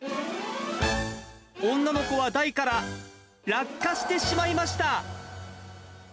女の子は台から落下してしまいました。